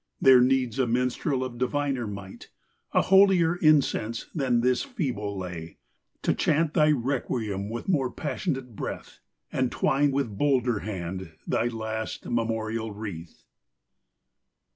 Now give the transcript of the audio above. There needs a minstrel of diviner might, A holier incense than this feeble lay ; To chant thy requiem with more passionate breath, And twine with bolder hand thy last memorial wreath